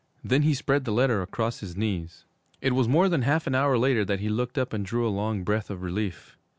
Then he spread the letter across his knees. It was more than half an hour later that he looked up and drew a long breath of relief.